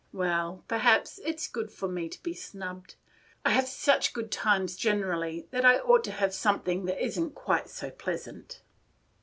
Well, perhaps it 's good for me to be snubbed: I have such good times generally that I ought to have something that is n't quite so pleasant.